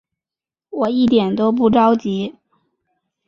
我一点都不着急